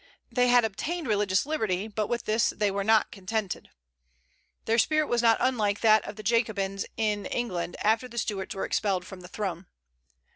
They had obtained religious liberty, but with this they were not contented. Their spirit was not unlike that of the Jacobins in England after the Stuarts were expelled from the throne.